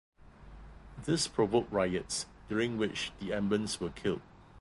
This provoked riots during which the Ambans were killed.